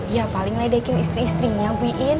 ya paling ledekin istri istrinya bu iin